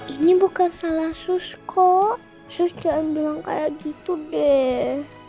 ini bukan salah sus kok sus diambil kayak gitu deh